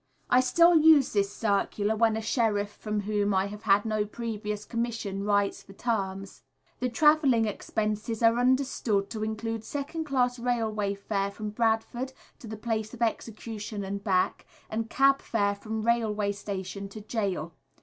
I still use this circular when a sheriff from whom I have had no previous commission writes for terms. The travelling expenses are understood to include second class railway fare from Bradford to the place of execution and back, and cab fare from railway station to gaol.